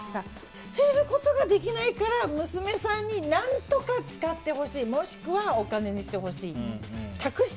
捨てることができないから娘さんに何とか使ってほしい、もしくはお金にしてほしい。